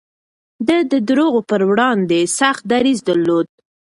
ده د دروغو پر وړاندې سخت دريځ درلود.